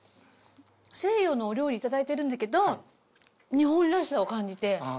西洋のお料理いただいてるんだけど日本らしさを感じて。